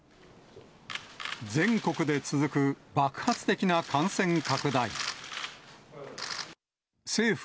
全国で続く爆発的な感染拡大。